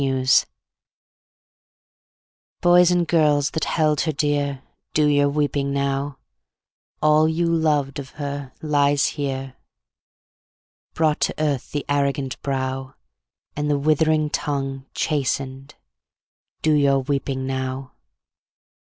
DIRGE Boys and girls that held her dear, Do your weeping now; All you loved of her lies here. Brought to earth the arrogant brow, And the withering tongue Chastened; do your weeping now.